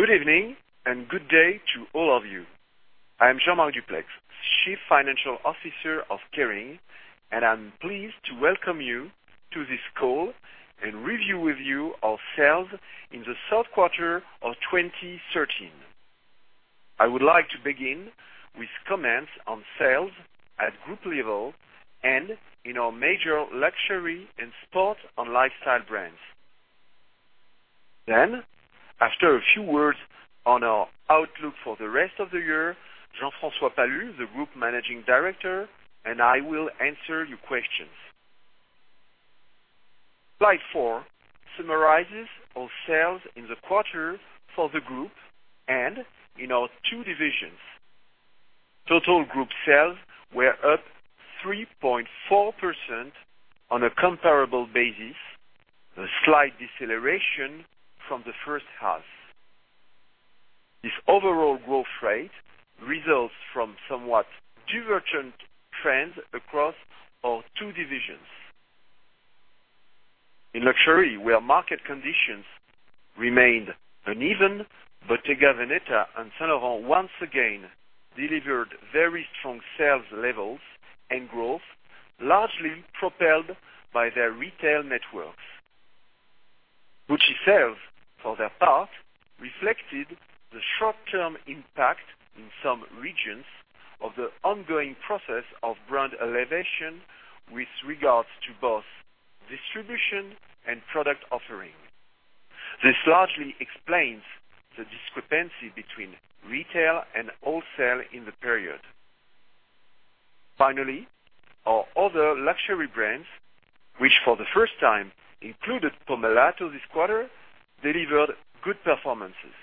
Good evening and good day to all of you. I am Jean-Marc Duplaix, Chief Financial Officer of Kering, and I am pleased to welcome you to this call and review with you our sales in the third quarter of 2013. I would like to begin with comments on sales at group level and in our major luxury and sport and lifestyle brands. After a few words on our outlook for the rest of the year, Jean-François Palus, the Group Managing Director, and I will answer your questions. Slide four summarizes our sales in the quarter for the group and in our two divisions. Total group sales were up 3.4% on a comparable basis, a slight deceleration from the first half. This overall growth rate results from somewhat divergent trends across our two divisions. In luxury, where market conditions remained uneven, Bottega Veneta and Saint Laurent once again delivered very strong sales levels and growth, largely propelled by their retail networks. Gucci sales, for their part, reflected the short-term impact in some regions of the ongoing process of brand elevation with regards to both distribution and product offering. This largely explains the discrepancy between retail and wholesale in the period. Our other luxury brands, which for the first time included Pomellato this quarter, delivered good performances.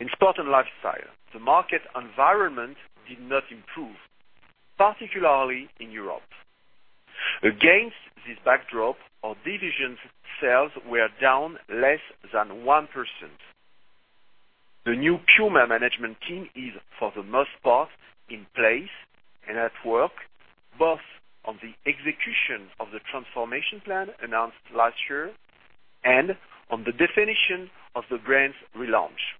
In sport and lifestyle, the market environment did not improve, particularly in Europe. Against this backdrop, our division's sales were down less than 1%. The new Puma management team is, for the most part, in place and at work, both on the execution of the transformation plan announced last year and on the definition of the brand's relaunch.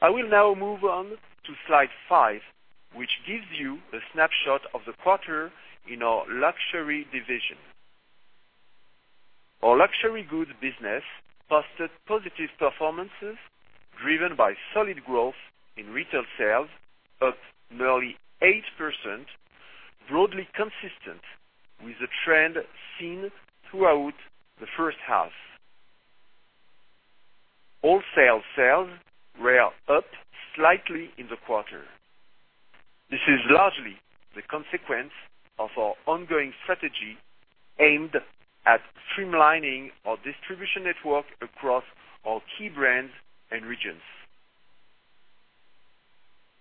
I will now move on to slide five, which gives you a snapshot of the quarter in our luxury division. Our luxury goods business posted positive performances driven by solid growth in retail sales, up nearly 8%, broadly consistent with the trend seen throughout the first half. Wholesale sales were up slightly in the quarter. This is largely the consequence of our ongoing strategy aimed at streamlining our distribution network across all key brands and regions.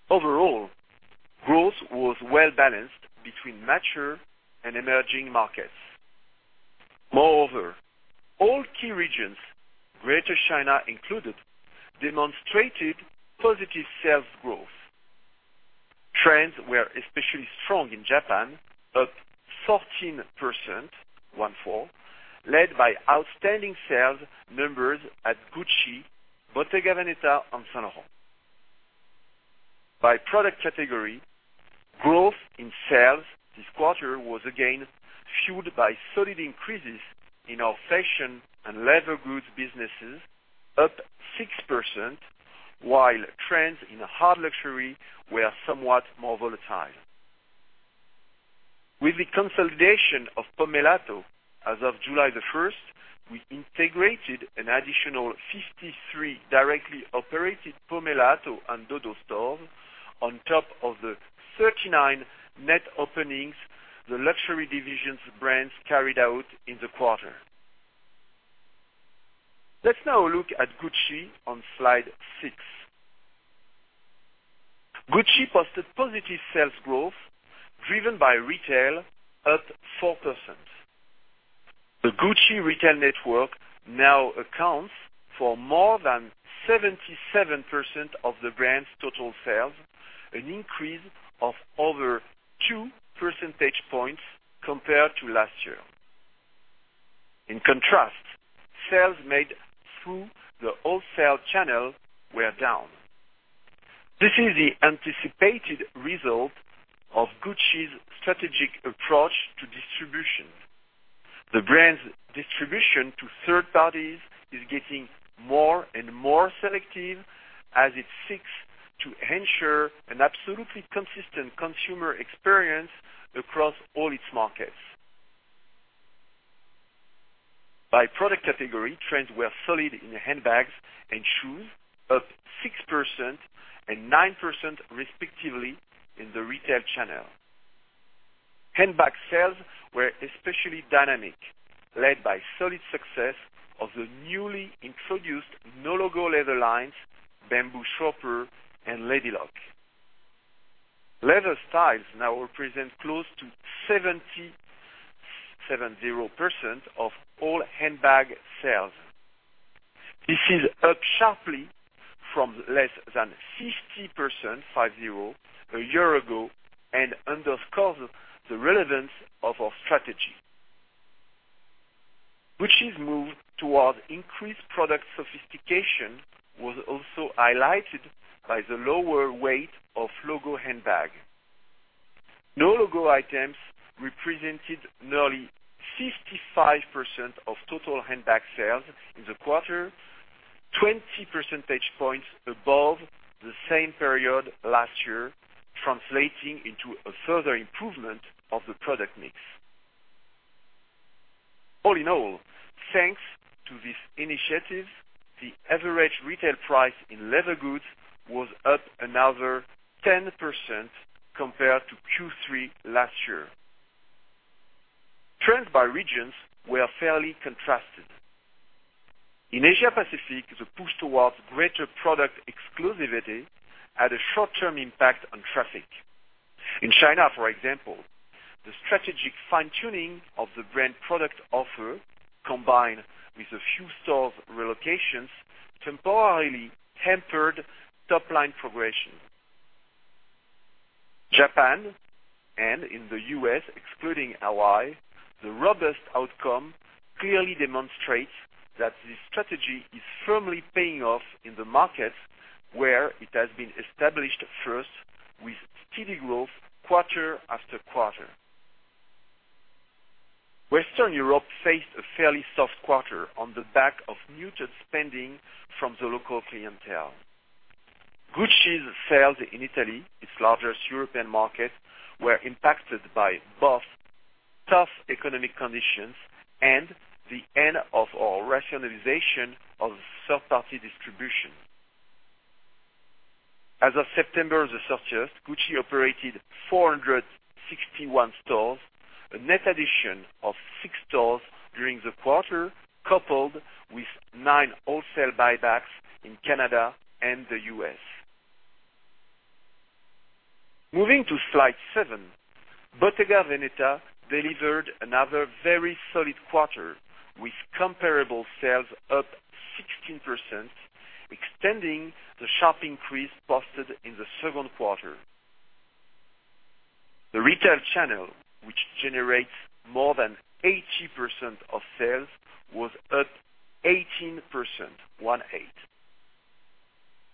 Overall, growth was well-balanced between mature and emerging markets. All key regions, Greater China included, demonstrated positive sales growth. Trends were especially strong in Japan, up 14%, led by outstanding sales numbers at Gucci, Bottega Veneta, and Saint Laurent. By product category, growth in sales this quarter was again fueled by solid increases in our fashion and leather goods businesses, up 6%, while trends in hard luxury were somewhat more volatile. With the consolidation of Pomellato as of July 1st, we integrated an additional 53 directly operated Pomellato and Dodo stores on top of the 39 net openings the luxury division's brands carried out in the quarter. Let's now look at Gucci on slide six. Gucci posted positive sales growth driven by retail up 4%. The Gucci retail network now accounts for more than 77% of the brand's total sales, an increase of over two percentage points compared to last year. In contrast, sales made through the wholesale channel were down. This is the anticipated result of Gucci's strategic approach to distribution. The brand's distribution to third parties is getting more and more selective as it seeks to ensure an absolutely consistent consumer experience across all its markets. By product category, trends were solid in handbags and shoes, up 6% and 9% respectively in the retail channel. Handbag sales were especially dynamic, led by solid success of the newly introduced no-logo leather lines, Bamboo Shopper and Lady Lock. Leather styles now represent close to 70% of all handbag sales. This is up sharply from less than 50% a year ago and underscores the relevance of our strategy. Gucci's move towards increased product sophistication was also highlighted by the lower weight of logo handbag. No logo items represented nearly 55% of total handbag sales in the quarter, 20 percentage points above the same period last year, translating into a further improvement of the product mix. All in all, thanks to this initiative, the average retail price in leather goods was up another 10% compared to Q3 last year. Trends by regions were fairly contrasted. In Asia Pacific, the push towards greater product exclusivity had a short-term impact on traffic. In China, for example, the strategic fine-tuning of the brand product offer, combined with a few store relocations, temporarily hampered top-line progression. In Japan and in the U.S., excluding Hawaii, the robust outcome clearly demonstrates that this strategy is firmly paying off in the markets where it has been established first with steady growth quarter after quarter. Western Europe faced a fairly soft quarter on the back of muted spending from the local clientele. Gucci's sales in Italy, its largest European market, were impacted by both tough economic conditions and the end of our rationalization of third-party distribution. As of September 30th, Gucci operated 461 stores, a net addition of six stores during the quarter, coupled with nine wholesale buybacks in Canada and the U.S. Moving to slide seven, Bottega Veneta delivered another very solid quarter, with comparable sales up 16%, extending the sharp increase posted in the second quarter. The retail channel, which generates more than 80% of sales, was up 18%.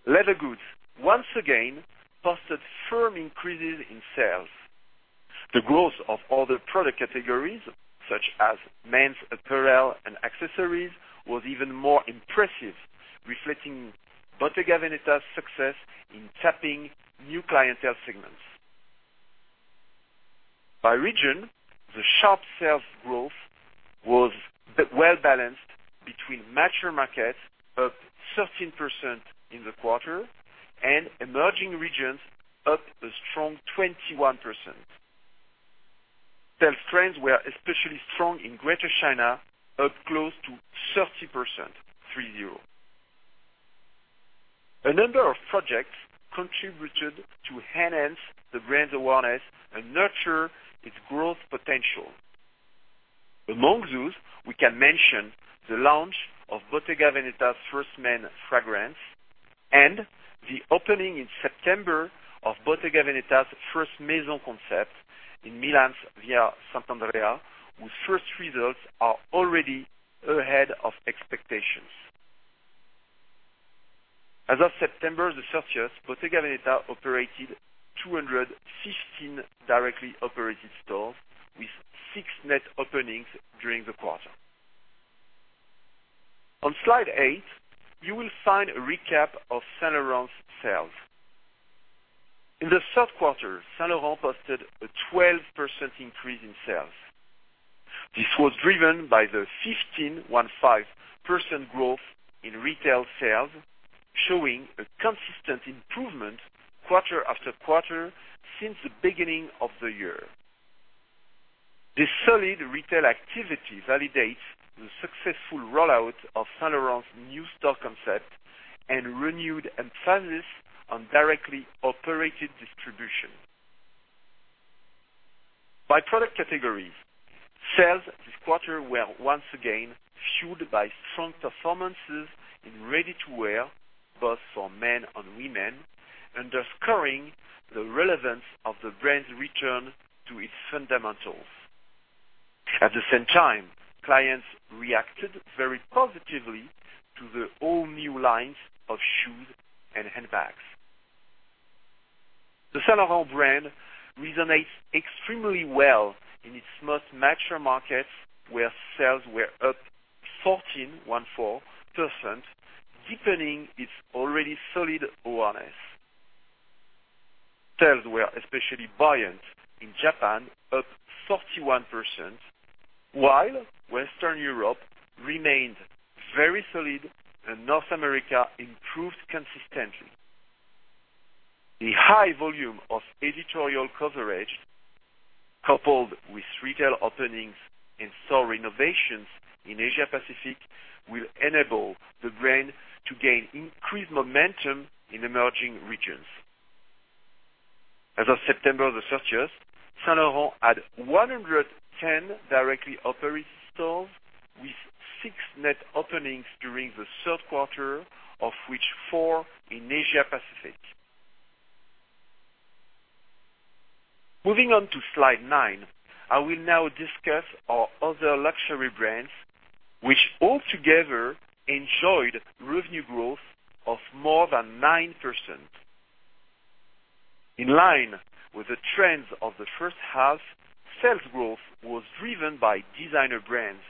Leather goods, once again, posted firm increases in sales. The growth of other product categories, such as men's apparel and accessories, was even more impressive, reflecting Bottega Veneta's success in tapping new clientele segments. By region, the sharp sales growth was well-balanced between mature markets, up 13% in the quarter, and emerging regions, up a strong 21%. Sales trends were especially strong in Greater China, up close to 30%. A number of projects contributed to enhance the brand's awareness and nurture its growth potential. Among those, we can mention the launch of Bottega Veneta's first men fragrance and the opening in September of Bottega Veneta's first maison concept in Milan's Via Sant'Andrea, whose first results are already ahead of expectations. As of September 30th, Bottega Veneta operated 215 directly operated stores, with six net openings during the quarter. On slide eight, you will find a recap of Saint Laurent's sales. In the third quarter, Saint Laurent posted a 12% increase in sales. This was driven by the 15.15% growth in retail sales, showing a consistent improvement quarter after quarter since the beginning of the year. This solid retail activity validates the successful rollout of Saint Laurent's new store concept and renewed emphasis on directly operated distribution. By product categories, sales this quarter were once again fueled by strong performances in ready-to-wear, both for men and women, underscoring the relevance of the brand's return to its fundamentals. At the same time, clients reacted very positively to the all new lines of shoes and handbags. The Saint Laurent brand resonates extremely well in its most mature markets, where sales were up 14.14%, deepening its already solid awareness. Sales were especially buoyant in Japan, up 31%, while Western Europe remained very solid, and North America improved consistently. The high volume of editorial coverage, coupled with retail openings and store renovations in Asia Pacific, will enable the brand to gain increased momentum in emerging regions. As of September the 30th, Saint Laurent had 110 directly operated stores, with six net openings during the third quarter, of which four in Asia Pacific. Moving on to slide nine, I will now discuss our other luxury brands, which all together enjoyed revenue growth of more than 9%. In line with the trends of the first half, sales growth was driven by designer brands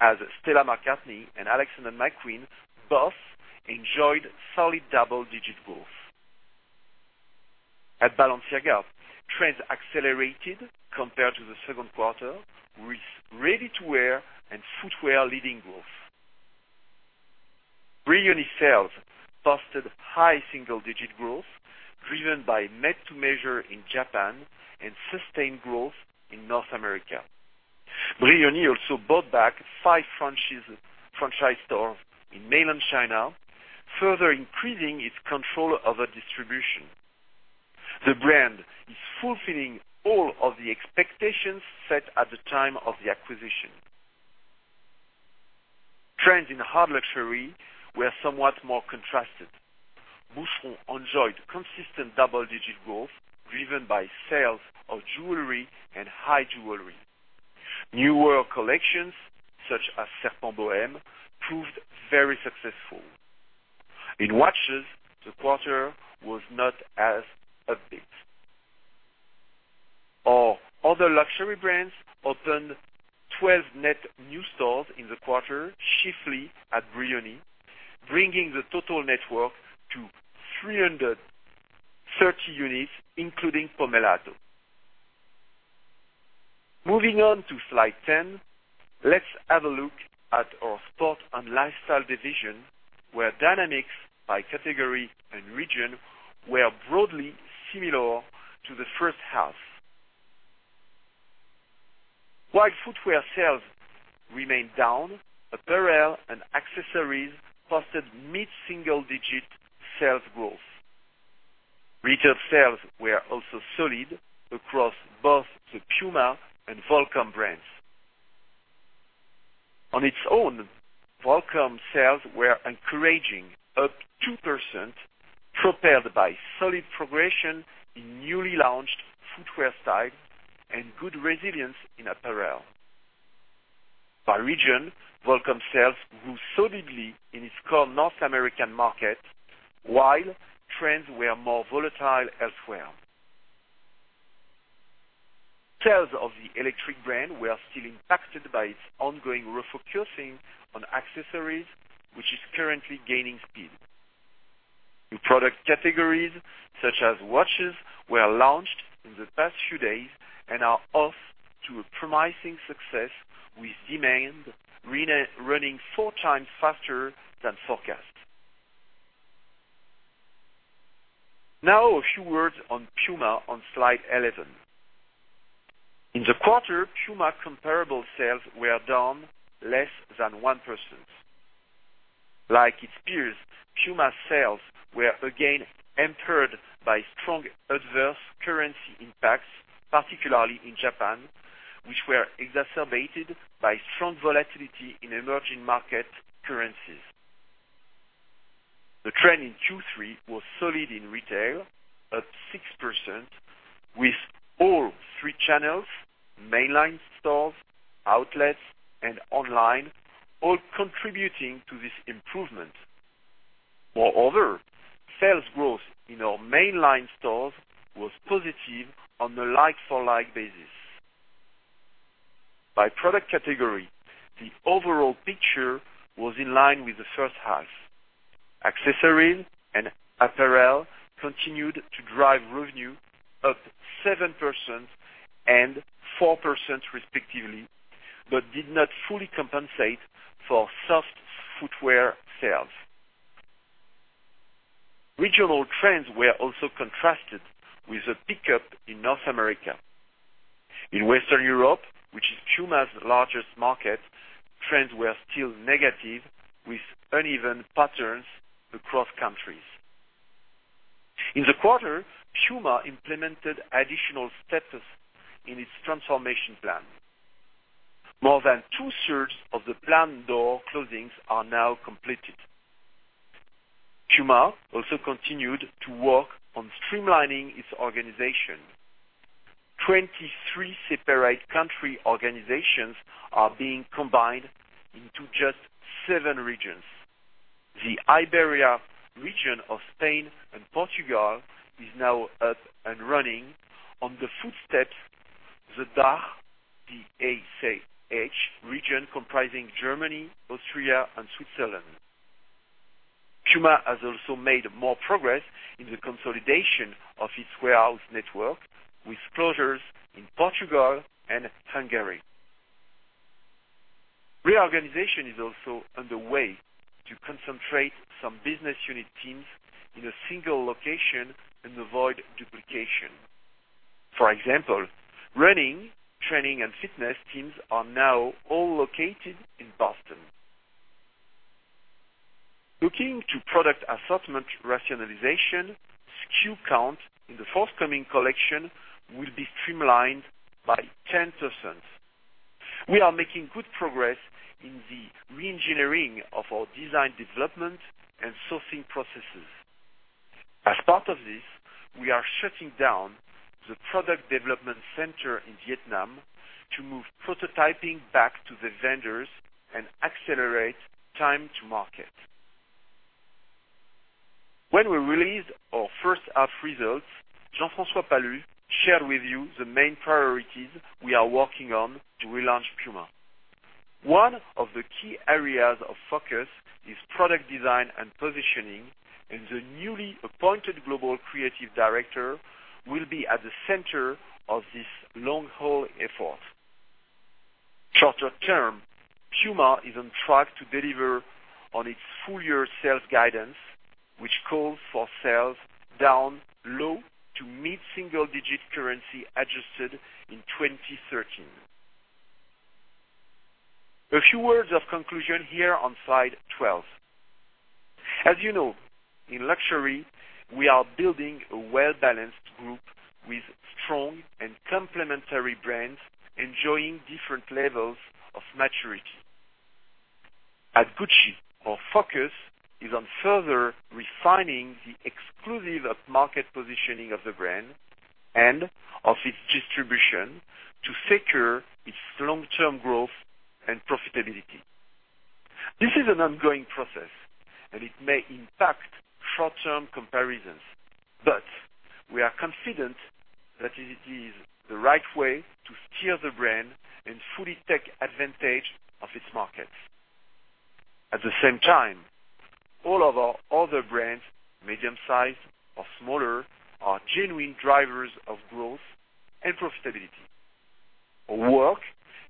as Stella McCartney and Alexander McQueen both enjoyed solid double-digit growth. At Balenciaga, trends accelerated compared to the second quarter, with ready-to-wear and footwear leading growth. Brioni sales posted high single-digit growth, driven by made-to-measure in Japan and sustained growth in North America. Brioni also bought back five franchise stores in mainland China, further increasing its control over distribution. The brand is fulfilling all of the expectations set at the time of the acquisition. Trends in hard luxury were somewhat more contrasted. Boucheron enjoyed consistent double-digit growth driven by sales of jewelry and high jewelry. Newer collections, such as Serpent Bohème, proved very successful. In watches, the quarter was not as upbeat. Our other luxury brands opened 12 net new stores in the quarter, chiefly at Brioni, bringing the total network to 330 units, including Pomellato. Moving on to slide 10, let's have a look at our sport and lifestyle division, where dynamics by category and region were broadly similar to the first half. While footwear sales remained down, apparel and accessories posted mid-single-digit sales growth. Retail sales were also solid across both the Puma and Volcom brands. On its own, Volcom sales were encouraging, up 2%, propelled by solid progression in newly launched footwear styles and good resilience in apparel. By region, Volcom sales grew solidly in its core North American market, while trends were more volatile elsewhere. Sales of the Electric brand were still impacted by its ongoing refocusing on accessories, which is currently gaining speed. New product categories such as watches were launched in the past few days and are off to a promising success with demand running four times faster than forecast. Now a few words on Puma on slide 11. In the quarter, Puma comparable sales were down less than 1%. Like its peers, Puma sales were again hampered by strong adverse currency impacts, particularly in Japan, which were exacerbated by strong volatility in emerging market currencies. The trend in Q3 was solid in retail, up 6%, with all three channels, mainline stores, outlets, and online, all contributing to this improvement. Moreover, sales growth in our mainline stores was positive on a like-for-like basis. By product category, the overall picture was in line with the first half. Accessories and apparel continued to drive revenue up 7% and 4% respectively, but did not fully compensate for soft footwear sales. Regional trends were also contrasted with a pickup in North America. In Western Europe, which is Puma's largest market, trends were still negative, with uneven patterns across countries. In the quarter, Puma implemented additional steps in its transformation plan. More than two-thirds of the planned door closings are now completed. Puma also continued to work on streamlining its organization. 23 separate country organizations are being combined into just seven regions. The Iberia region of Spain and Portugal is now up and running on the footsteps, the DACH, D-A-C-H, region comprising Germany, Austria, and Switzerland. Puma has also made more progress in the consolidation of its warehouse network, with closures in Portugal and Hungary. Reorganization is also underway to concentrate some business unit teams in a single location and avoid duplication. For example, running, training, and fitness teams are now all located in Boston. Looking to product assortment rationalization, SKU count in the forthcoming collection will be streamlined by 10%. We are making good progress in the re-engineering of our design development and sourcing processes. As part of this, we are shutting down the product development center in Vietnam to move prototyping back to the vendors and accelerate time to market. When we released our first half results, Jean-François Palus shared with you the main priorities we are working on to relaunch Puma. One of the key areas of focus is product design and positioning, and the newly appointed global creative director will be at the center of this long-haul effort. Shorter term, Puma is on track to deliver on its full-year sales guidance, which calls for sales down low to mid-single digit currency adjusted in 2013. A few words of conclusion here on slide 12. As you know, in luxury, we are building a well-balanced group with strong and complementary brands enjoying different levels of maturity. At Gucci, our focus is on further refining the exclusive upmarket positioning of the brand and of its distribution to secure its long-term growth and profitability. It may impact short-term comparisons, but we are confident that it is the right way to steer the brand and fully take advantage of its markets. At the same time, all of our other brands, medium-sized or smaller, are genuine drivers of growth and profitability. Our work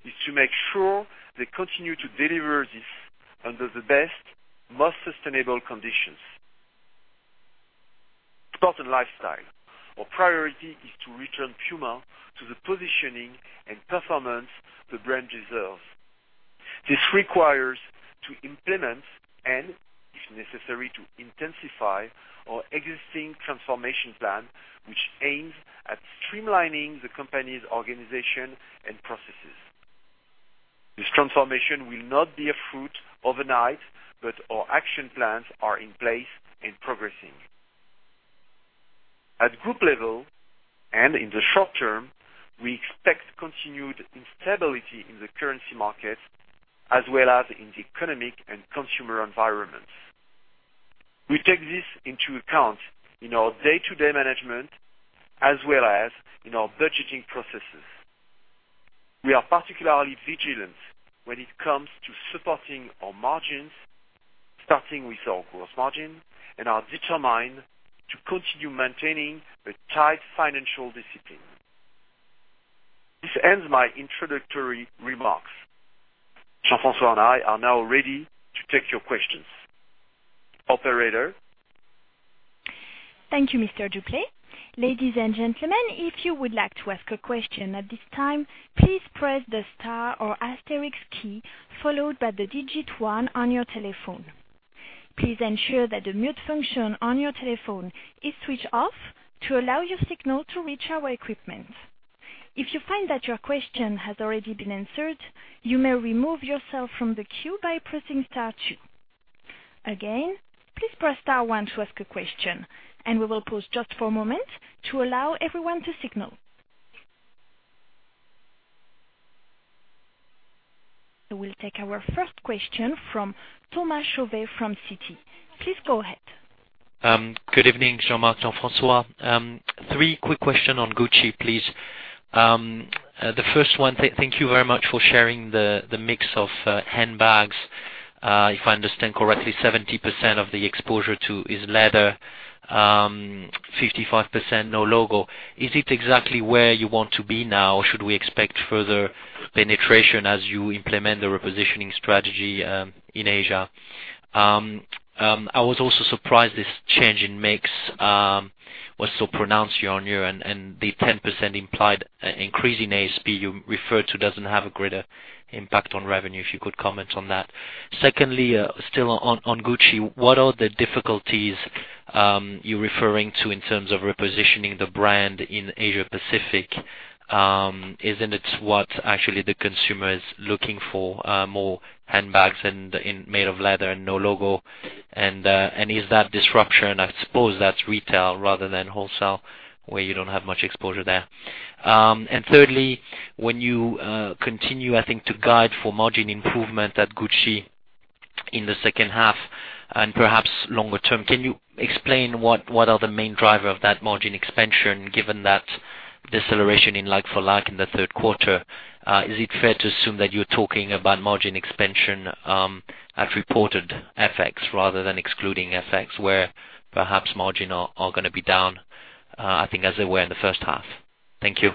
is to make sure they continue to deliver this under the best, most sustainable conditions. Sport and lifestyle. Our priority is to return Puma to the positioning and performance the brand deserves. This requires to implement, if necessary, to intensify our existing transformation plan, which aims at streamlining the company's organization and processes. This transformation will not bear fruit overnight, our action plans are in place and progressing. At group level, in the short term, we expect continued instability in the currency markets as well as in the economic and consumer environments. We take this into account in our day-to-day management as well as in our budgeting processes. We are particularly vigilant when it comes to supporting our margins, starting with our gross margin, are determined to continue maintaining a tight financial discipline. This ends my introductory remarks. Jean-François and I are now ready to take your questions. Operator? Thank you, Mr. Duplaix. Ladies and gentlemen, if you would like to ask a question at this time, please press the star or asterisk key followed by the digit 1 on your telephone. Please ensure that the mute function on your telephone is switched off to allow your signal to reach our equipment. If you find that your question has already been answered, you may remove yourself from the queue by pressing star 2. Again, please press star 1 to ask a question, and we will pause just for a moment to allow everyone to signal. We'll take our first question from Thomas Chauvet from Citi. Please go ahead. Good evening, Jean-Marc, Jean-François. Three quick question on Gucci, please. The first one, thank you very much for sharing the mix of handbags. If I understand correctly, 70% of the exposure to is leather, 55% no logo. Is it exactly where you want to be now, or should we expect further penetration as you implement the repositioning strategy in Asia? I was also surprised this change in mix was so pronounced year on year, and the 10% implied increase in ASP you referred to doesn't have a greater impact on revenue. If you could comment on that. Secondly, still on Gucci, what are the difficulties you're referring to in terms of repositioning the brand in Asia-Pacific? Isn't it what actually the consumer is looking for, more handbags made of leather and no logo? Is that disruption, I suppose that's retail rather than wholesale, where you don't have much exposure there. Thirdly, when you continue, I think, to guide for margin improvement at Gucci in the second half and perhaps longer term, can you explain what are the main driver of that margin expansion given that deceleration in like-for-like in the third quarter? Is it fair to assume that you're talking about margin expansion at reported FX rather than excluding FX, where perhaps margin are going to be down, I think, as they were in the first half? Thank you.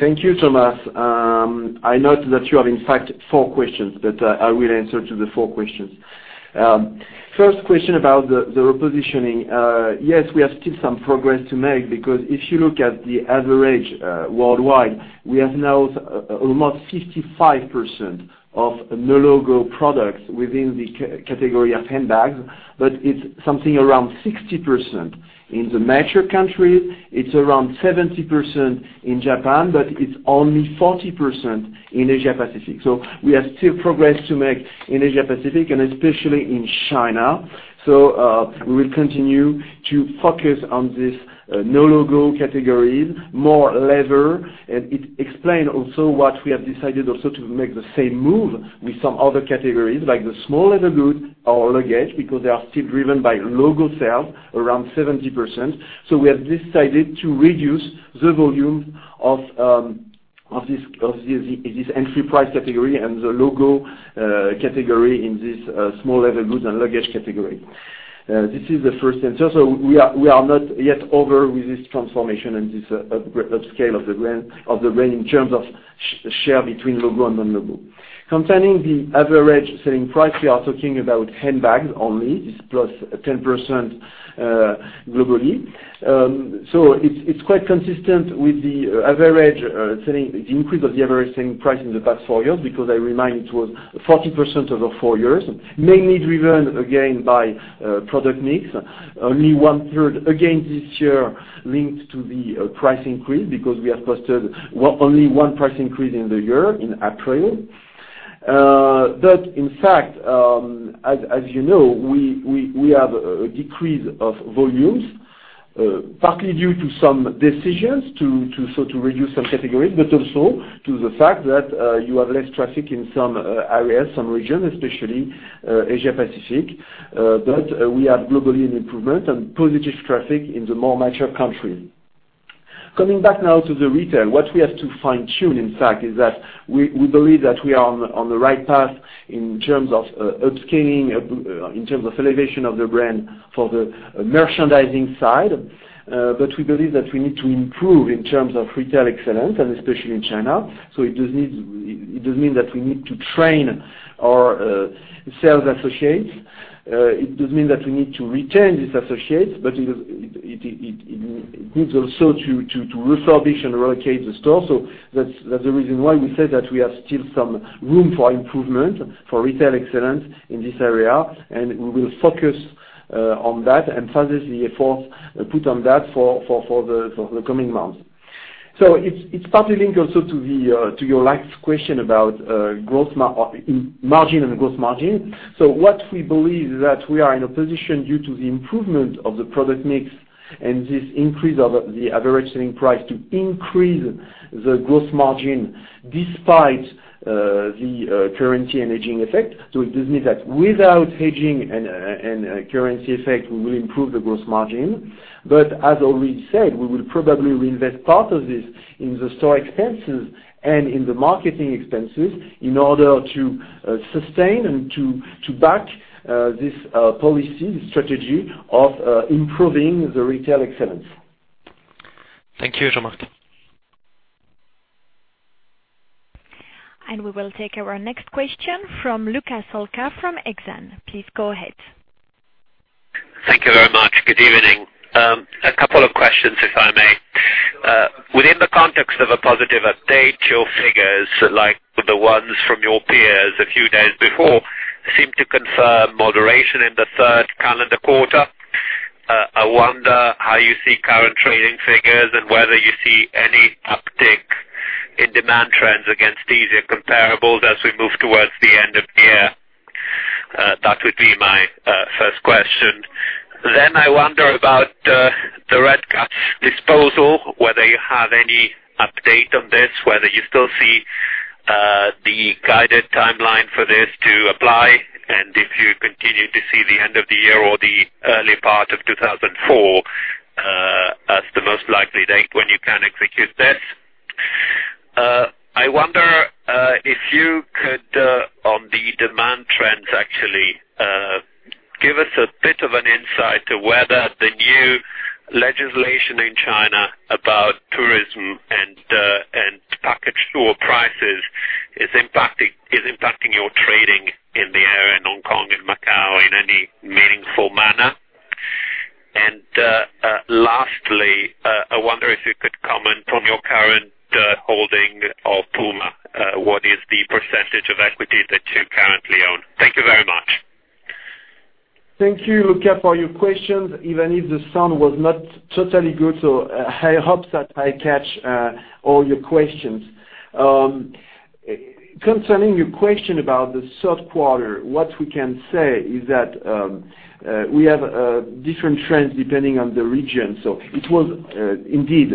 Thank you, Thomas. I note that you have, in fact, four questions, but I will answer to the four questions. First question about the repositioning. Yes, we have still some progress to make because if you look at the average worldwide, we have now almost 55% of no-logo products within the category of handbags. But it's something around 60% in the major countries, it's around 70% in Japan, but it's only 40% in Asia-Pacific. We have still progress to make in Asia-Pacific and especially in China. We will continue to focus on this no-logo categories, more leather. It explain also what we have decided also to make the same move with some other categories like the small leather goods or luggage, because they are still driven by logo sales around 70%. We have decided to reduce the volume of this entry price category and the logo category in this small leather goods and luggage category. This is the first answer. We are not yet over with this transformation and this upscale of the brand in terms of share between logo and non-logo. Concerning the average selling price, we are talking about handbags only, it is +10% globally. It is quite consistent with the increase of the average selling price in the past four years because I remind it was 40% over four years, mainly driven again by product mix. Only one-third again this year linked to the price increase because we have posted only one price increase in the year, in April. In fact, as you know, we have a decrease of volumes, partly due to some decisions to reduce some categories, but also to the fact that you have less traffic in some areas, some regions, especially Asia-Pacific. We have globally an improvement and positive traffic in the more mature countries. Coming back now to the retail, what we have to fine-tune, in fact, is that we believe that we are on the right path in terms of upscaling, in terms of elevation of the brand for the merchandising side. We believe that we need to improve in terms of retail excellence, and especially in China. It does mean that we need to train our sales associates. It does mean that we need to retain these associates, but it means also to refurbish and relocate the store. That is the reason why we say that we have still some room for improvement, for retail excellence in this area, and we will focus on that and further the efforts put on that for the coming months. It is partly linked also to your last question about margin and gross margin. What we believe is that we are in a position due to the improvement of the product mix and this increase of the average selling price to increase the gross margin despite the currency and hedging effect. It does mean that without hedging and currency effect, we will improve the gross margin. As already said, we will probably reinvest part of this in the store expenses and in the marketing expenses in order to sustain and to back this policy, this strategy of improving the retail excellence. Thank you, Jean-Marc. We will take our next question from Luca Solca from Exane. Please go ahead. Thank you very much. Good evening. A couple of questions, if I may. Within the context of a positive update, your figures, like the ones from your peers a few days before, seem to confirm moderation in the third calendar quarter. I wonder how you see current trading figures and whether you see any uptick in demand trends against easier comparables as we move towards the end of the year. That would be my first question. I wonder about the Redcats disposal, whether you have any update on this, whether you still see the guided timeline for this to apply, and if you continue to see the end of the year or the early part of 2014 as the most likely date when you can execute this. I wonder if you could, on the demand trends actually, give us a bit of an insight to whether the new legislation in China about tourism and package tour prices is impacting your trading in the area, in Hong Kong and Macau, in any meaningful manner. Lastly, I wonder if you could comment on your current holding of Puma. What is the percentage of equities that you currently own? Thank you very much. Thank you, Luca, for your questions. Even if the sound was not totally good, I hope that I catch all your questions. Concerning your question about the soft quarter, what we can say is that we have different trends depending on the region. It was indeed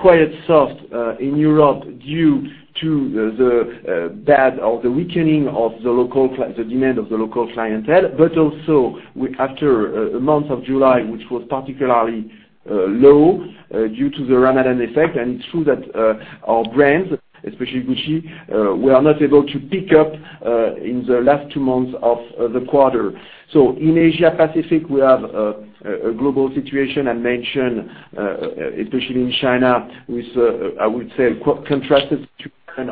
quite soft in Europe due to the bad or the weakening of the demand of the local clientele. Also after a month of July, which was particularly low due to the Ramadan effect, and it's true that our brands, especially Gucci, were not able to pick up in the last two months of the quarter. In Asia Pacific, we have a global situation. I mentioned, especially in China, with, I would say, contrasted trend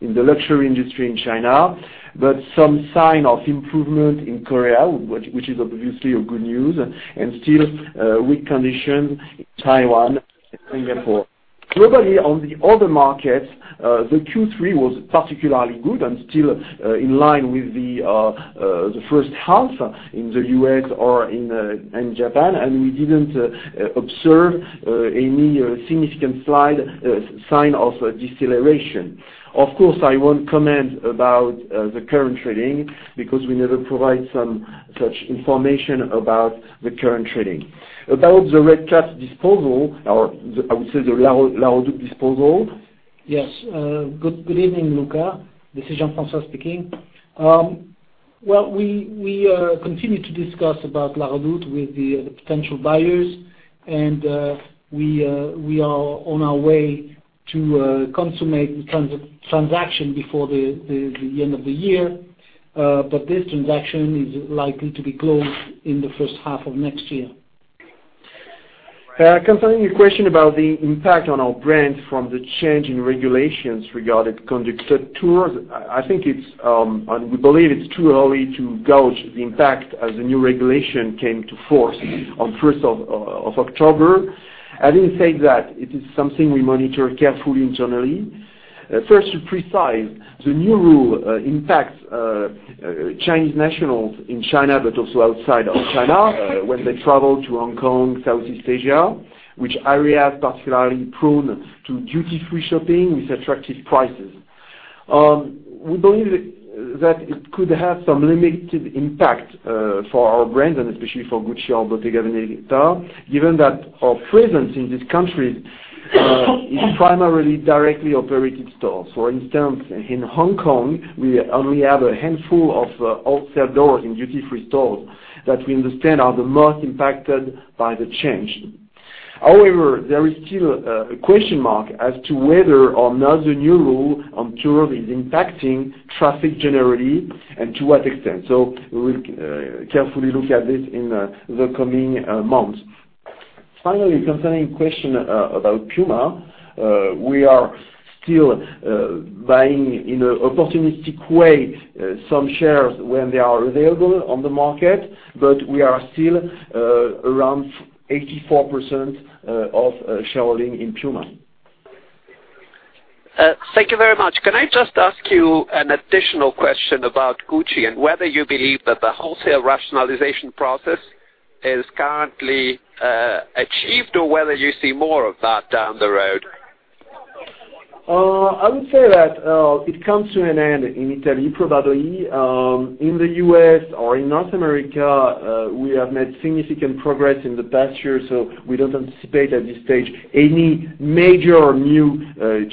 in the luxury industry in China, but some sign of improvement in Korea, which is obviously a good news, and still weak condition in Taiwan and Singapore. Globally, on the other markets, the Q3 was particularly good and still in line with the first half in the U.S. or in Japan, and we didn't observe any significant sign of deceleration. Of course, I won't comment about the current trading because we never provide such information about the current trading. About the La Redoute disposal, or I would say the La Redoute disposal. Yes. Good evening, Luca. This is Jean-François speaking. Well, we continue to discuss about La Redoute with the potential buyers. We are on our way to consummate the transaction before the end of the year. This transaction is likely to be closed in the first half of next year. Concerning your question about the impact on our brand from the change in regulations regarding conducted tours, we believe it's too early to gauge the impact as the new regulation came into force on the 1st of October. Having said that, it is something we monitor carefully internally. First, to be precise, the new rule impacts Chinese nationals in China, but also outside of China when they travel to Hong Kong, Southeast Asia, which area is particularly prone to duty-free shopping with attractive prices. We believe that it could have some limited impact for our brand, especially for Gucci or Bottega Veneta, given that our presence in these countries is primarily directly operated stores. For instance, in Hong Kong, we only have a handful of wholesale doors in duty-free stores that we understand are the most impacted by the change. There is still a question mark as to whether or not the new rule on tours is impacting traffic generally and to what extent. We will carefully look at this in the coming months. Finally, concerning the question about Puma, we are still buying in an opportunistic way some shares when they are available on the market. We are still around 84% of shares in Puma. Thank you very much. Can I just ask you an additional question about Gucci, and whether you believe that the wholesale rationalization process is currently achieved, or whether you see more of that down the road? I would say that it comes to an end in Italy, probably. In the U.S. or in North America, we have made significant progress in the past year, we don't anticipate at this stage any major new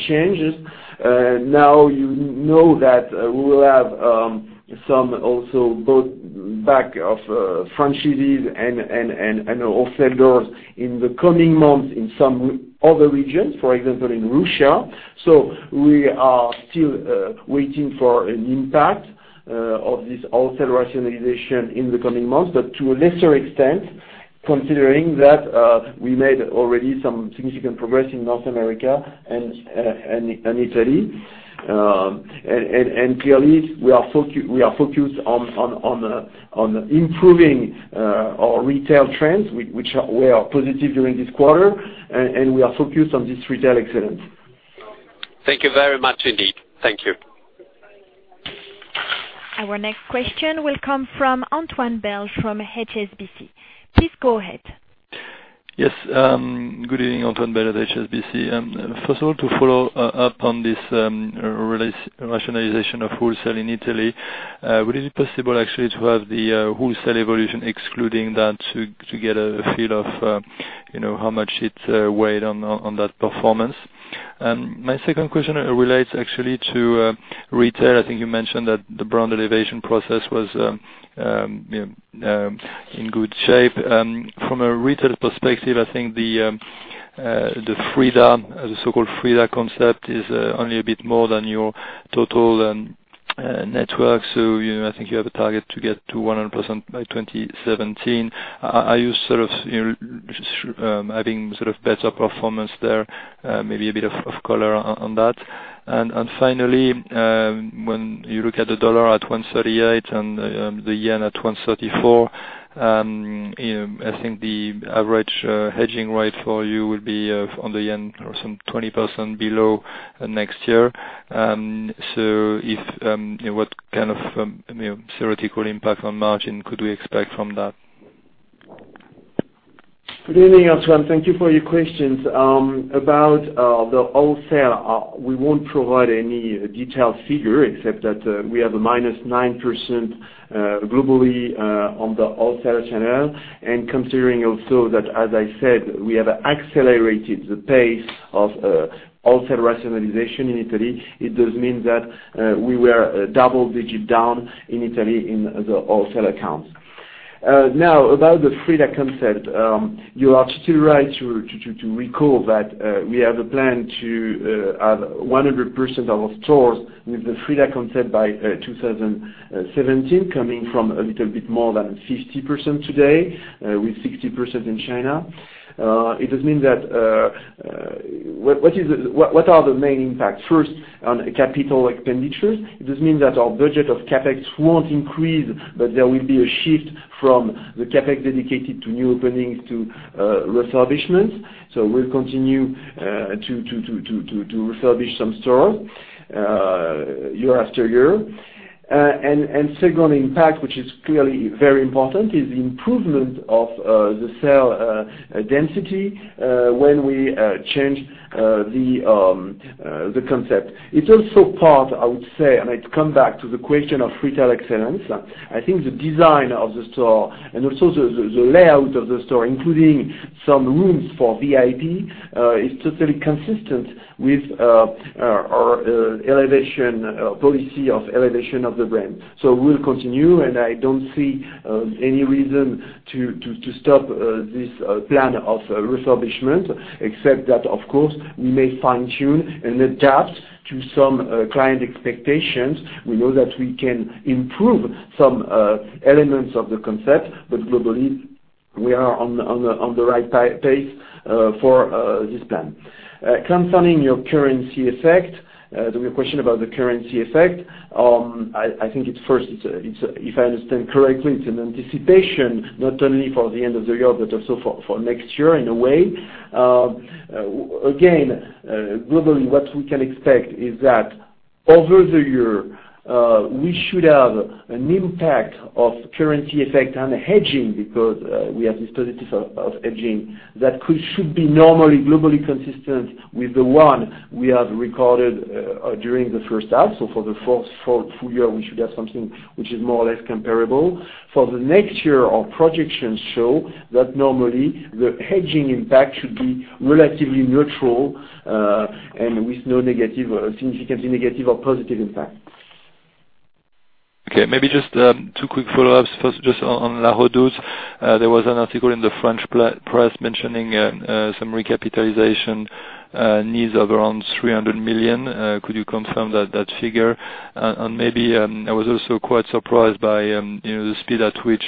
changes. You know that we will have some also buyback of franchises and wholesale doors in the coming months in some other regions, for example, in Russia. We are still waiting for an impact of this wholesale rationalization in the coming months. To a lesser extent, considering that we made already some significant progress in North America and Italy. Clearly, we are focused on improving our retail trends, which were positive during this quarter, and we are focused on this retail excellence. Thank you very much, indeed. Thank you. Our next question will come from Antoine Belge from HSBC. Please go ahead. Yes, good evening. Antoine Belge of HSBC. First of all, to follow up on this rationalization of wholesale in Italy, would it be possible actually to have the wholesale evolution excluding that to get a feel of how much it weighed on that performance? My second question relates actually to retail. I think you mentioned that the brand elevation process was in good shape. From a retail perspective, I think the so-called Frida concept is only a bit more than your total network. I think you have a target to get to 100% by 2017. Are you having better performance there? Maybe a bit of color on that. Finally, when you look at the dollar at 138 and the yen at 134, I think the average hedging rate for you will be on the yen or some 20% below next year. What kind of theoretical impact on margin could we expect from that? Good evening, Antoine Belge. Thank you for your questions. About the wholesale, we won't provide any detailed figure except that we have a minus 9% globally on the wholesale channel. Considering also that, as I said, we have accelerated the pace of wholesale rationalization in Italy, it does mean that we were double digit down in Italy in the wholesale accounts. About the Frida concept. You are still right to recall that we have a plan to have 100% of our stores with the Frida concept by 2017, coming from a little bit more than 50% today, with 60% in China. What are the main impacts? First, on capital expenditures, this means that our budget of CapEx won't increase, but there will be a shift from the CapEx dedicated to new openings to refurbishments. We'll continue to refurbish some stores year after year. Second impact, which is clearly very important, is the improvement of the sale density when we change the concept. It's also part, I would say, and it come back to the question of retail excellence, I think the design of the store and also the layout of the store, including some rooms for VIP, is totally consistent with our policy of elevation of the brand. We'll continue, and I don't see any reason to stop this plan of refurbishment, except that, of course, we may fine-tune and adapt to some client expectations. We know that we can improve some elements of the concept, but globally, we are on the right pace for this plan. Concerning your currency effect, the question about the currency effect, I think first, if I understand correctly, it's an anticipation not only for the end of the year, but also for next year in a way. Globally, what we can expect is that over the year, we should have an impact of currency effect and hedging because we have this positive of hedging that should be normally globally consistent with the one we have recorded during the first half. For the full year, we should have something which is more or less comparable. For the next year, our projections show that normally the hedging impact should be relatively neutral, with no significant negative or positive impact. Okay, maybe just two quick follow-ups. Just on La Redoute. There was an article in the French press mentioning some recapitalization needs of around 300 million. Could you confirm that figure? Maybe, I was also quite surprised by the speed at which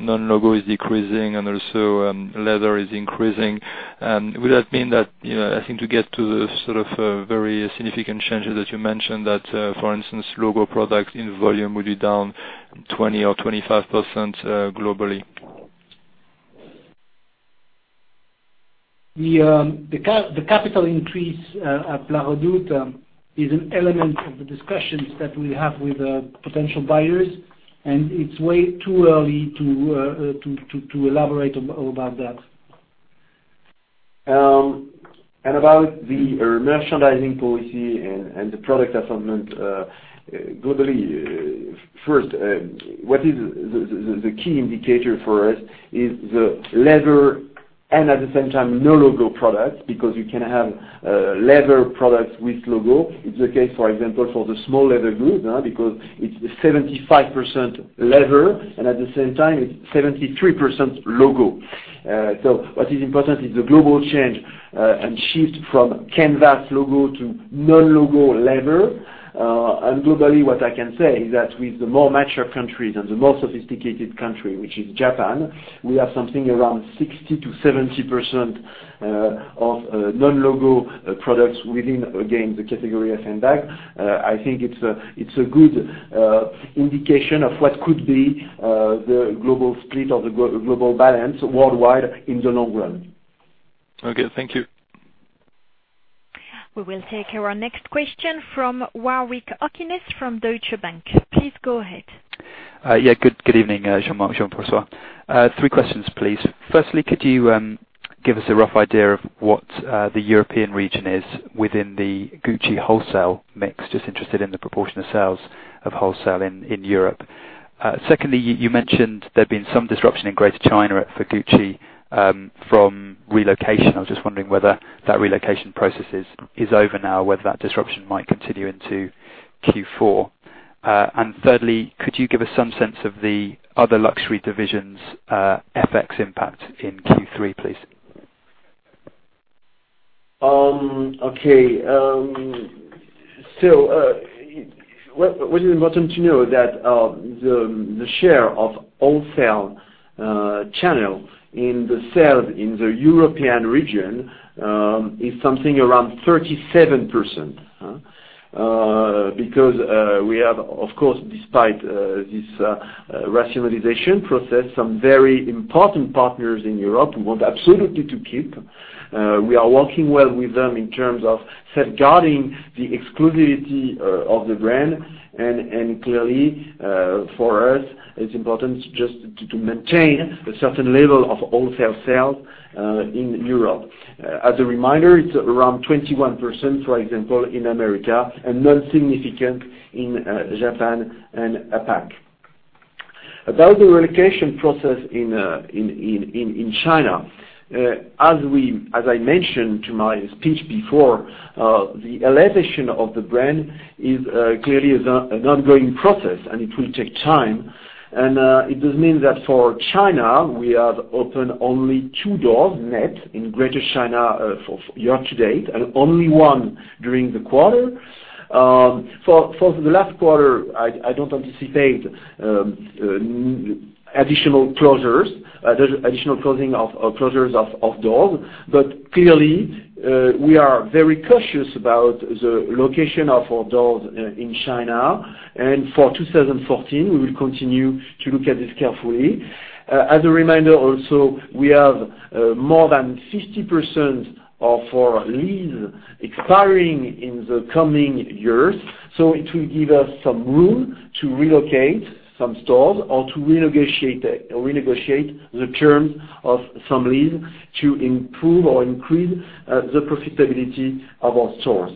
non-logo is decreasing and also leather is increasing. Would that mean that, I think to get to the sort of very significant changes that you mentioned that, for instance, logo product in volume will be down 20% or 25% globally? The capital increase at La Redoute is an element of the discussions that we have with potential buyers, it's way too early to elaborate about that. About the merchandising policy and the product assortment globally, what is the key indicator for us is the leather and at the same time, no logo product, because you can have leather products with logo. It's the case, for example, for the small leather goods, because it's 75% leather, and at the same time, it's 73% logo. What is important is the global change and shift from canvas logo to non-logo leather. Globally, what I can say is that with the more mature countries and the more sophisticated country, which is Japan, we have something around 60% to 70% of non-logo products within, again, the category of handbag. I think it's a good indication of what could be the global split of the global balance worldwide in the long run. Okay, thank you. We will take our next question from Warwick Okines from Deutsche Bank. Please go ahead. Yeah. Good evening, Jean-Marc, Jean-François. Three questions, please. Firstly, could you give us a rough idea of what the European region is within the Gucci wholesale mix? Just interested in the proportion of sales of wholesale in Europe. Secondly, you mentioned there had been some disruption in Greater China for Gucci from relocation. I was just wondering whether that relocation process is over now, whether that disruption might continue into Q4. Thirdly, could you give us some sense of the other luxury divisions' FX impact in Q3, please? Okay. What is important to know that the share of wholesale channel in the sales in the European region is something around 37%. We have, of course, despite this rationalization process, some very important partners in Europe we want absolutely to keep. We are working well with them in terms of safeguarding the exclusivity of the brand, and clearly, for us, it's important just to maintain a certain level of wholesale sales in Europe. As a reminder, it's around 21%, for example, in America and non-significant in Japan and APAC. About the relocation process in China, as I mentioned to my speech before, the elevation of the brand clearly is an ongoing process, and it will take time. It does mean that for China, we have opened only two doors net in Greater China for year to date, and only one during the quarter. For the last quarter, I don't anticipate additional closures of doors. Clearly, we are very cautious about the location of our doors in China. For 2014, we will continue to look at this carefully. As a reminder also, we have more than 50% of our lease expiring in the coming years. It will give us some room to relocate some stores or to renegotiate the terms of some lease to improve or increase the profitability of our stores.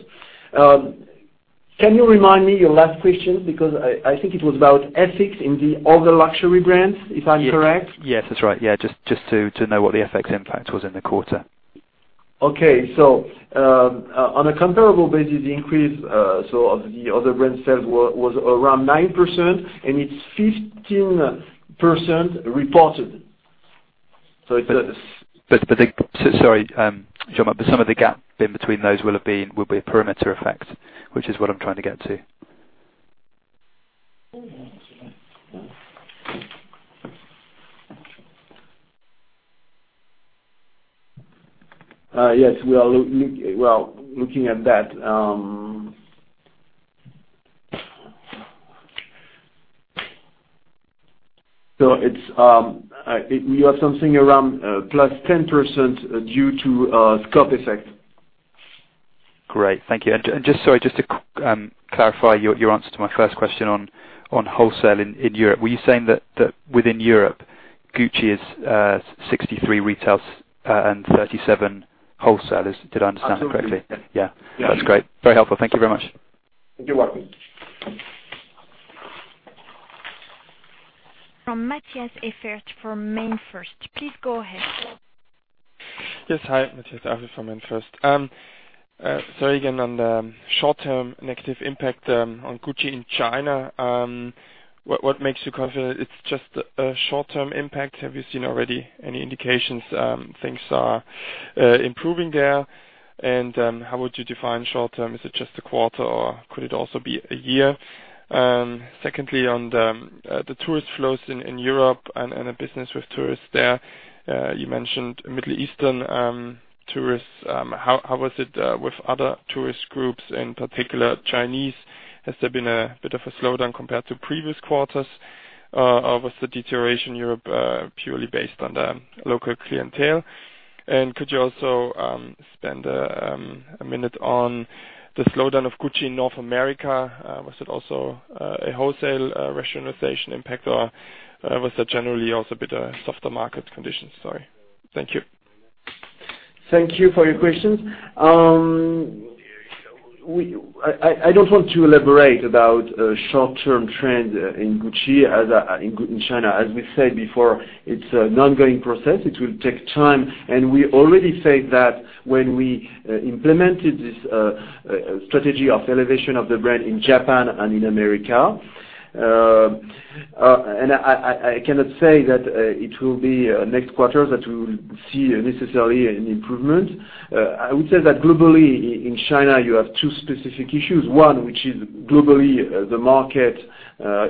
Can you remind me your last question? Because I think it was about FX in the other luxury brands, if I'm correct. Yes, that's right. Just to know what the FX impact was in the quarter. Okay. On a comparable basis, the increase of the other brands sales was around 9%, and it's 15% reported. Sorry, Jean, some of the gap in between those will be a perimeter effect, which is what I'm trying to get to. Yes, we are looking at that. We have something around plus 10% due to scope effect. Great. Thank you. Just to clarify your answer to my first question on wholesale in Europe. Were you saying that within Europe, Gucci is 63 retails and 37 wholesalers? Did I understand that correctly? Absolutely, yes. Yeah. That's great. Very helpful. Thank you very much. You're welcome. From Matthias Efert from MainFirst. Please go ahead. Yes, hi. Matthias Efert from MainFirst. Sorry again on the short-term negative impact on Gucci in China. What makes you confident it's just a short-term impact? Have you seen already any indications things are improving there? How would you define short-term? Is it just a quarter or could it also be a year? Secondly, on the tourist flows in Europe and the business with tourists there. You mentioned Middle Eastern tourists. How was it with other tourist groups, in particular Chinese? Has there been a bit of a slowdown compared to previous quarters? Or was the deterioration in Europe purely based on the local clientele? Could you also spend a minute on the slowdown of Gucci in North America? Was it also a wholesale rationalization impact, or was that generally also a bit of softer market conditions? Sorry. Thank you. Thank you for your questions. I don't want to elaborate about short-term trends in Gucci, in China. As we said before, it's an ongoing process. It will take time, we already said that when we implemented this strategy of elevation of the brand in Japan and in America. I cannot say that it will be next quarter that we will see necessarily an improvement. I would say that globally in China, you have two specific issues. One, which is globally, the market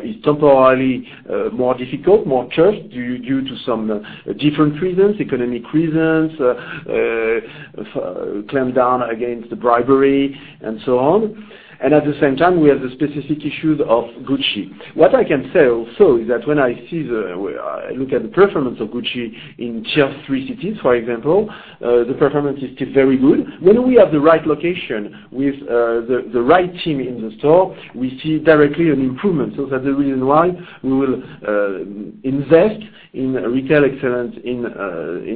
is temporarily more difficult, more curbed due to some different reasons, economic reasons, clamp down against the bribery and so on. At the same time, we have the specific issues of Gucci. What I can say also is that when I look at the performance of Gucci in tier 3 cities, for example, the performance is still very good. When we have the right location with the right team in the store, we see directly an improvement. That's the reason why we will invest in retail excellence in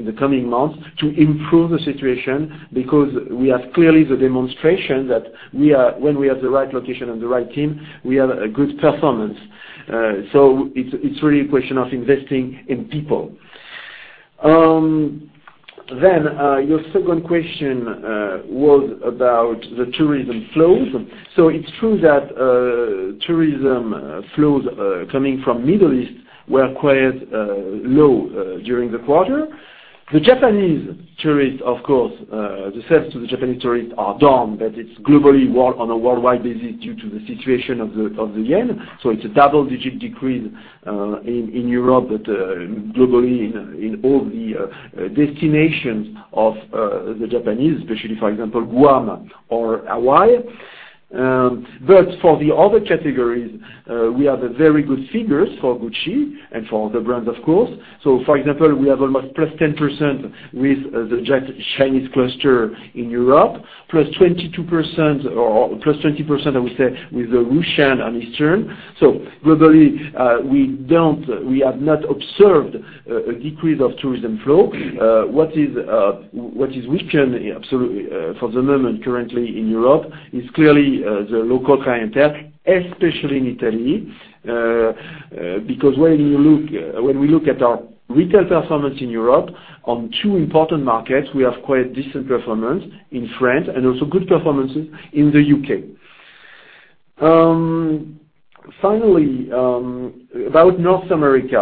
the coming months to improve the situation, because we have clearly the demonstration that when we have the right location and the right team, we have a good performance. It's really a question of investing in people. Your second question was about the tourism flows. It's true that tourism flows coming from Middle East were quite low during the quarter. The Japanese tourists, of course, the sales to the Japanese tourists are down, but it's globally on a worldwide basis due to the situation of the JPY. It's a double-digit decrease in Europe, but globally in all the destinations of the Japanese, especially, for example, Guam or Hawaii. For the other categories, we have very good figures for Gucci and for the brand, of course. For example, we have almost +10% with the Chinese cluster in Europe, +22%, or +20%, I would say, with the Russian and Eastern. Globally, we have not observed a decrease of tourism flow. What is weakened absolutely, for the moment currently in Europe is clearly the local clientele, especially in Italy. When we look at our retail performance in Europe on two important markets, we have quite decent performance in France and also good performances in the U.K. Finally, about North America.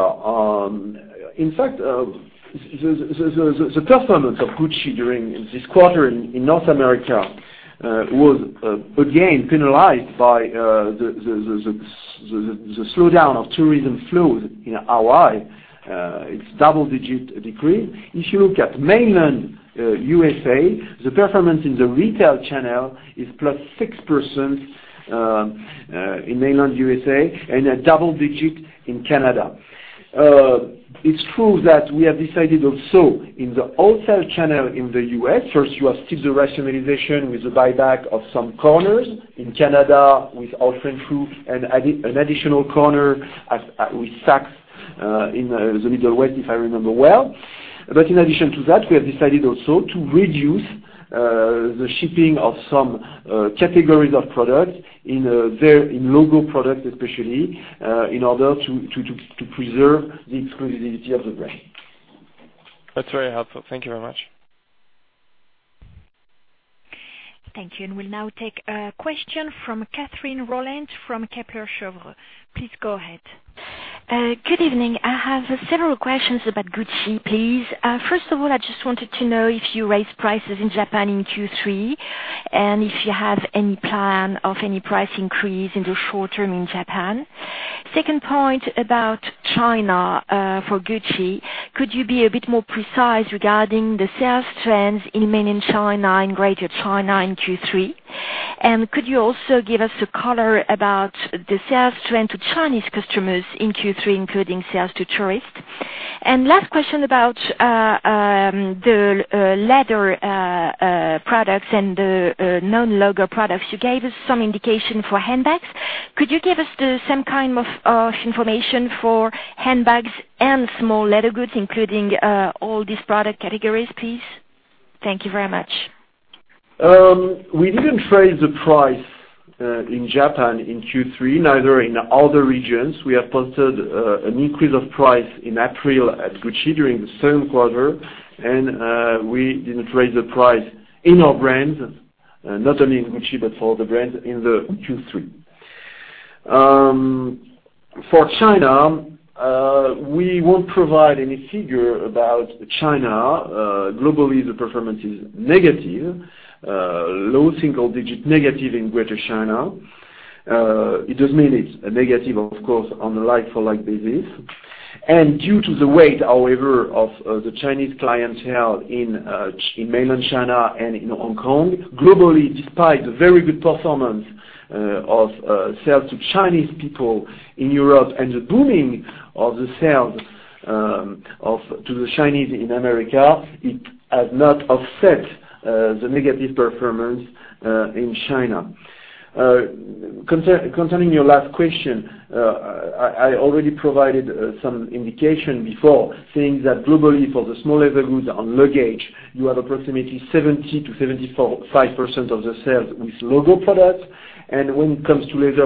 In fact, the performance of Gucci during this quarter in North America was, again, penalized by the slowdown of tourism flows in Hawaii. It's double-digit decrease. If you look at mainland USA, the performance in the retail channel is +6% in mainland USA, and a double-digit in Canada. It's true that we have decided also in the wholesale channel in the U.S., first, you have still the rationalization with the buyback of some corners. In Canada, with our friend Fu, an additional corner with Saks in the Midwest, if I remember well. In addition to that, we have decided also to reduce the shipping of some categories of products, in logo products especially, in order to preserve the exclusivity of the brand. That's very helpful. Thank you very much. Thank you. We'll now take a question from Catherine Rolland from Kepler Cheuvreux. Please go ahead. Good evening. I have several questions about Gucci, please. First of all, I just wanted to know if you raised prices in Japan in Q3, if you have any plan of any price increase in the short term in Japan. Second point about China, for Gucci, could you be a bit more precise regarding the sales trends in mainland China and Greater China in Q3? Could you also give us a color about the sales trend to Chinese customers in Q3, including sales to tourists? Last question about the leather products and the non-logo products. You gave us some indication for handbags. Could you give us some kind of information for handbags and small leather goods, including all these product categories, please? Thank you very much. We didn't raise the price in Japan in Q3, neither in other regions. We have posted an increase of price in April at Gucci during the second quarter, we didn't raise the price in our brands, not only in Gucci, but for all the brands in the Q3. For China, we won't provide any figure about China. Globally, the performance is negative. Low single digit negative in Greater China. It just means it's negative, of course, on a like-for-like basis. Due to the weight, however, of the Chinese clientele in mainland China and in Hong Kong, globally, despite the very good performance of sales to Chinese people in Europe and the booming of the sales to the Chinese in America, it has not offset the negative performance in China. Concerning your last question, I already provided some indication before, saying that globally, for the small leather goods on luggage, you have approximately 70%-75% of the sales with logo products. When it comes to leather,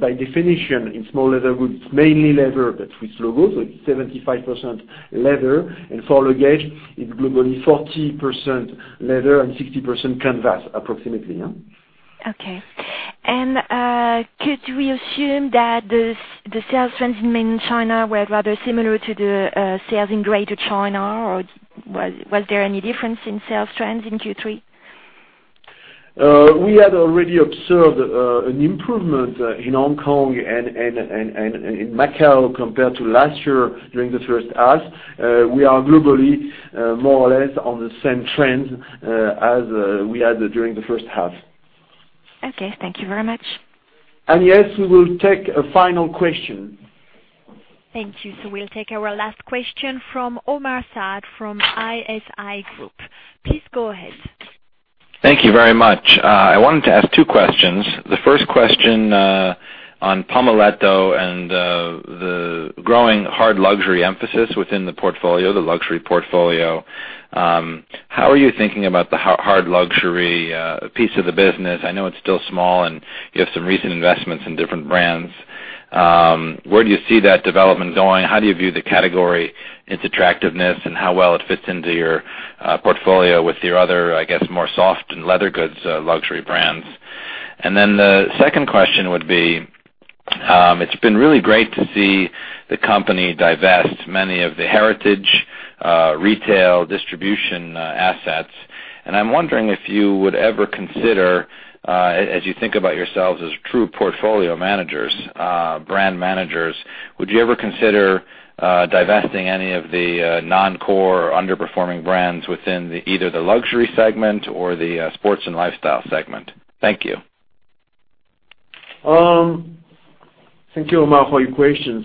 by definition, in small leather goods, it's mainly leather, but with logos, so it's 75% leather. For luggage, it's globally 40% leather and 60% canvas, approximately. Okay. Could we assume that the sales trends in Mainland China were rather similar to the sales in Greater China, or was there any difference in sales trends in Q3? We had already observed an improvement in Hong Kong and in Macau compared to last year during the first half. We are globally more or less on the same trends as we had during the first half. Okay. Thank you very much. Yes, we will take a final question. Thank you. We'll take our last question from Omar Saad from ISI Group. Please go ahead. Thank you very much. I wanted to ask two questions. The first question on Pomellato and the growing hard luxury emphasis within the portfolio, the luxury portfolio. How are you thinking about the hard luxury piece of the business? I know it's still small, and you have some recent investments in different brands. Where do you see that development going? How do you view the category, its attractiveness, and how well it fits into your portfolio with your other, I guess, more soft and leather goods luxury brands? The second question would be, it's been really great to see the company divest many of the heritage retail distribution assets. I'm wondering if you would ever consider, as you think about yourselves as true portfolio managers, brand managers, would you ever consider divesting any of the non-core or underperforming brands within either the luxury segment or the sports and lifestyle segment? Thank you. Thank you, Omar, for your questions.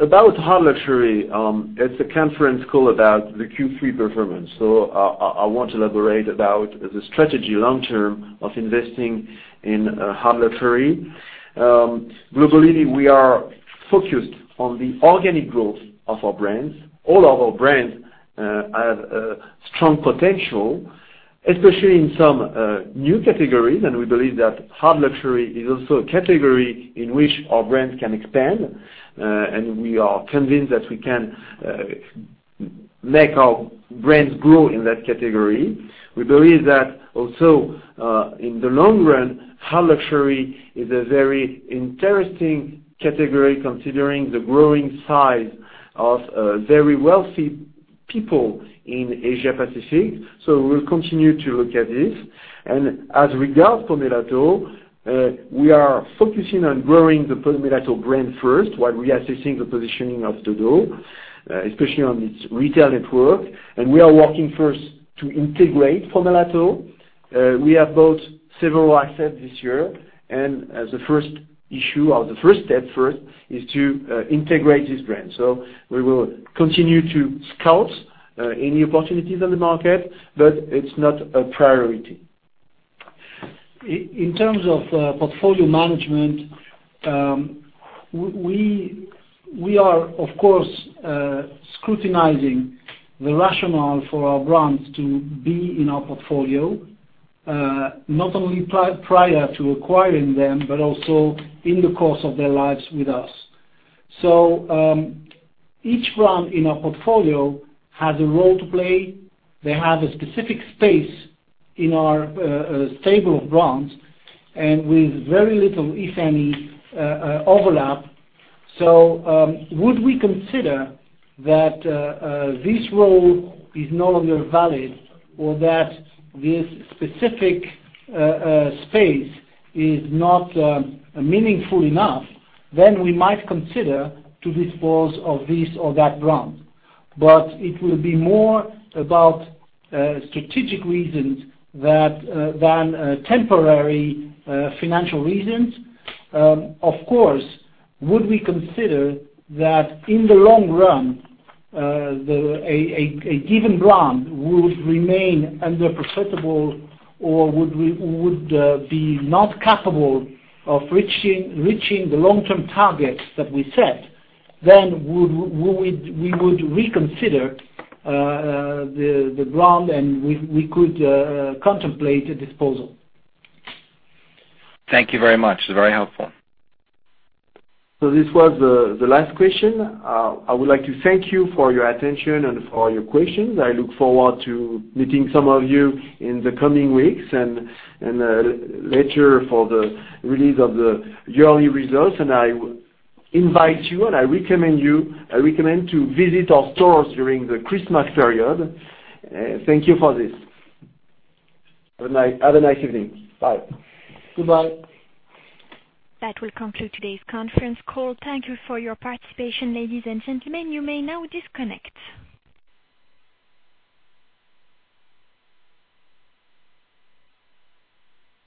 About hard luxury, it's a conference call about the Q3 performance, so I want to elaborate about the strategy long term of investing in hard luxury. Globally, we are focused on the organic growth of our brands. All of our brands have a strong potential. Especially in some new categories, and we believe that hard luxury is also a category in which our brands can expand, and we are convinced that we can make our brands grow in that category. We believe that also, in the long run, hard luxury is a very interesting category, considering the growing size of very wealthy people in Asia Pacific. We'll continue to look at this. As regards Pomellato, we are focusing on growing the Pomellato brand first while reassessing the positioning of Dodo, especially on its retail network. We are working first to integrate Pomellato. We have bought several assets this year. The first issue, or the first step first, is to integrate this brand. We will continue to scout any opportunities on the market, but it is not a priority. In terms of portfolio management, we are, of course, scrutinizing the rationale for our brands to be in our portfolio, not only prior to acquiring them, but also in the course of their lives with us. Each brand in our portfolio has a role to play. They have a specific space in our stable of brands, with very little, if any, overlap. Would we consider that this role is no longer valid or that this specific space is not meaningful enough? We might consider to dispose of this or that brand. It will be more about strategic reasons than temporary financial reasons. Of course, would we consider that in the long run, a given brand would remain underprofitable or would be not capable of reaching the long-term targets that we set, then we would reconsider the brand, we could contemplate a disposal. Thank you very much. Very helpful. This was the last question. I would like to thank you for your attention and for all your questions. I look forward to meeting some of you in the coming weeks and later for the release of the yearly results. I invite you, and I recommend to visit our stores during the Christmas period. Thank you for this. Have a nice evening. Bye. Goodbye. That will conclude today's conference call. Thank you for your participation, ladies and gentlemen. You may now disconnect.